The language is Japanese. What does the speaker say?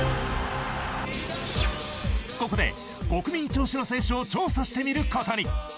ここで国民一押しの選手を調査してみることに。